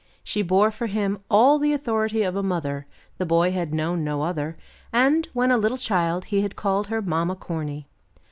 She bore for him all the authority of a mother; the boy had known no other, and, when a little child he had called her Mamma Corny.